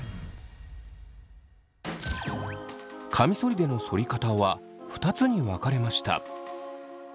カミソリでのそり方は２つに分かれました。